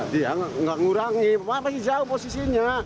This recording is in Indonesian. dia nggak ngurangi masih jauh posisinya